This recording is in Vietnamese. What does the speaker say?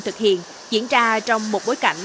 thực hiện diễn ra trong một bối cảnh